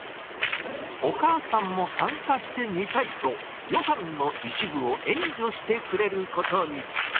お母さんも参加してみたいと、予算の一部を援助してくれることに。